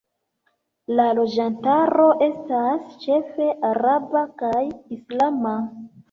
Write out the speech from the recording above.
La loĝantaro estas ĉefe araba kaj islama.